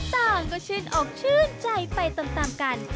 ต่างก็ชื่นอกชื่นใจไปตามกัน